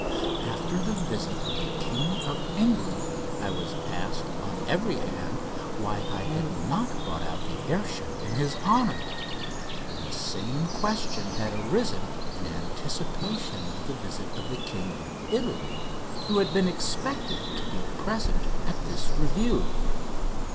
After the visit of the King of England I was asked on every hand why I had not brought out the air ship in his honour, and the same questions had arisen in anticipation of the visit of the King of Italy, who had been expected to be present at this review.